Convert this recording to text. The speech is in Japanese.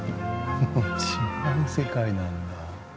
違う世界なんだ。